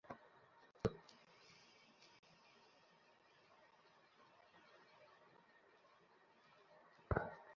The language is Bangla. তাই আমাদের দেশের তিন চাকার যান অনেকটা বাধ্য হয়েই মহাসড়ক ব্যবহার করে।